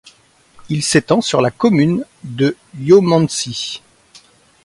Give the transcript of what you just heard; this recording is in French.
Il s'étend sur la commune de Ilomantsi.